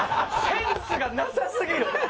センスがなさすぎる。